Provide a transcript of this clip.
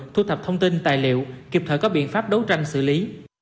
thu thập thông tin tài liệu kịp thời có biện pháp đấu tranh xử lý